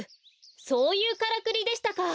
そういうからくりでしたか。